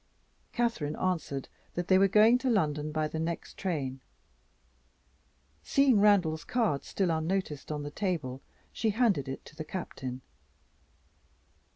Catherine answered that they were going to London by the next train. Seeing Randal's card still unnoticed on the table, she handed it to the Captain.